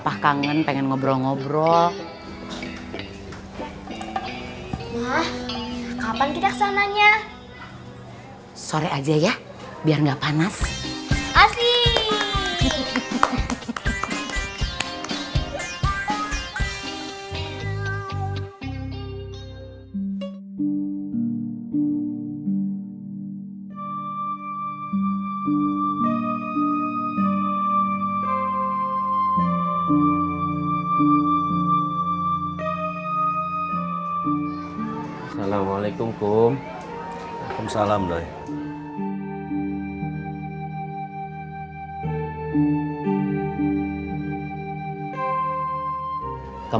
gak apa apa saja gak apa apa